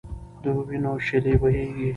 د وینو شېلې بهېږي.